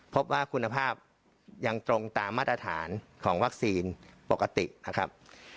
พบว่าคุณภาพยังตรงตามมาตรฐานของวัคซีนปกตินะครับ